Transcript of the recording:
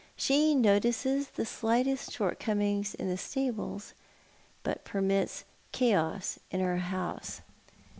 She notices the slightest shortcoming in the stables, but permits chaos in her house."